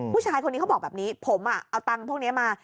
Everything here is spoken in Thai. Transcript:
ผู้ชายคนนี้เขาบอกแบบนี้ผมเอาตังค์พวกนี้มา